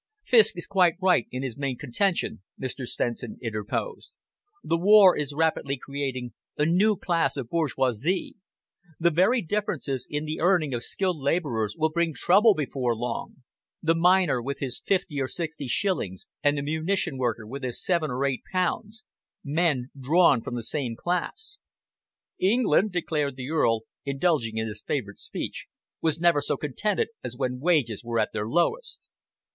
"Fiske is quite right in his main contention," Mr. Stenson interposed. "The war is rapidly creating a new class of bourgeoisie. The very differences in the earning of skilled labourers will bring trouble before long the miner with his fifty or sixty shillings, and the munition worker with his seven or eight pounds men drawn from the same class." "England," declared the Earl, indulging in his favourite speech, "was never so contented as when wages were at their lowest."